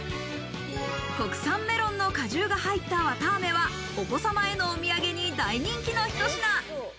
国産メロンの果汁が入ったわたあめは、お子様へのお土産に大人気のひと品。